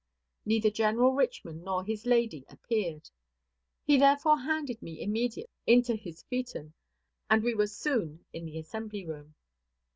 Neither General Richman nor his lady appeared. He therefore handed me immediately into his phaeton, and we were soon in the assembly room.